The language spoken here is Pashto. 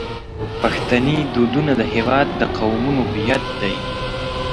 پښتني دودونه د هیواد د قومونو هویت دی.